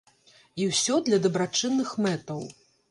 І ўсё для дабрачынных мэтаў.